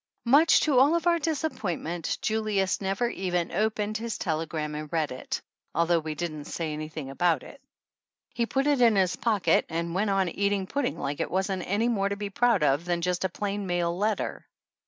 Much to all of our disappointment Julius never even opened his telegram and read it, although we didn't say anything about it. He put it in his pocket and went on eating pudding like it wasn't any more to be proud of than just a plain mail letter.